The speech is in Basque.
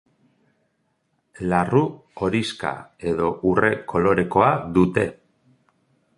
Larru horixka edo urre kolorekoa dute.